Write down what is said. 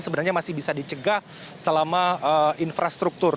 sebenarnya masih bisa dicegah selama infrastruktur